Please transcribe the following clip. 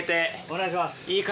お願いします。